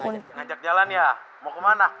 ngajak jalan ya